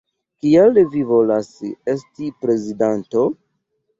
Kial vi volas esti prezidanto?